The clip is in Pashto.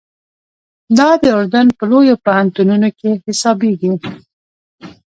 دا د اردن په لویو پوهنتونو کې حسابېږي.